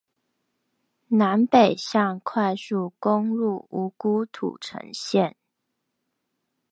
南北向快速公路五股土城線